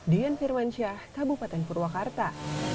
dian firman syah kabupaten purwakarta